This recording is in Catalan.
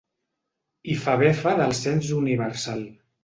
I fa befa del cens universal.